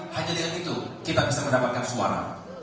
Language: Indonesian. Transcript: hanya dengan itu kita bisa mendapatkan suara